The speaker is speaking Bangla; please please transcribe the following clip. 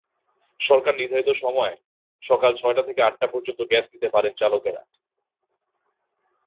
সরকারনির্ধারিত সময় সকাল ছয়টা থেকে আটটা পর্যন্ত গ্যাস নিতে পারেন চালকেরা।